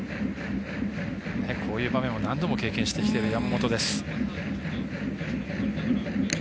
こういう場面を何度も経験している山本です。